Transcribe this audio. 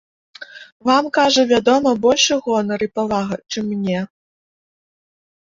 Вам, кажа, вядома, большы гонар і павага, чым мне.